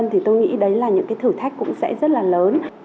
thì tôi nghĩ đấy là những cái thử thách cũng sẽ rất là lớn